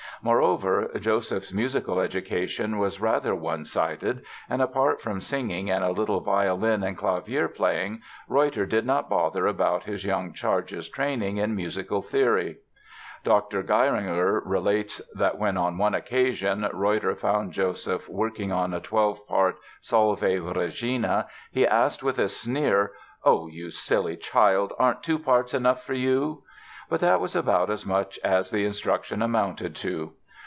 Moreover Joseph's musical education was rather one sided and apart from singing and a little violin and clavier playing Reutter did not bother about his young charge's training in musical theory. Dr. Geiringer relates that when, on one occasion, Reutter found Joseph working on a twelve part "Salve Regina" he asked with a sneer: "Oh, you silly child, aren't two parts enough for you?" But that was about as much as the instruction amounted to.